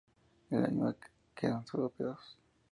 De la misma quedan solo pedazos.